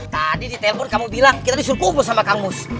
tadi di telpon kamu bilang kita disuruh kumpul sama kang mus